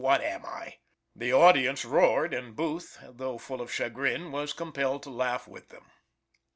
what am I?" The audience roared, and Booth, though full of chagrin, was compelled to laugh with them.